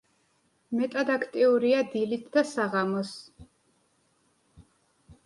მეტად აქტიურია დილით და საღამოს.